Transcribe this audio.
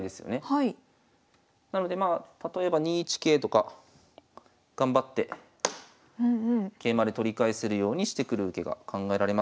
なのでまあ例えば２一桂とか頑張って桂馬で取り返せるようにしてくる受けが考えられますが。